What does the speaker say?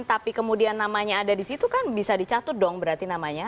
tapi kemudian namanya ada di situ kan bisa dicatut dong berarti namanya